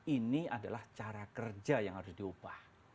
ini adalah cara kerja yang harus diubah